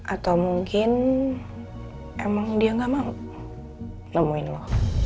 atau mungkin emang dia gak mau nemuin lo